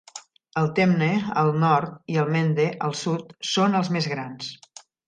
El Temne, al nord, i el Mende, al sud, són els més grans.